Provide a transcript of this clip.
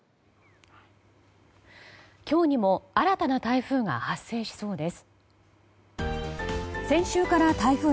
今日にも新たな台風が発生しそうです。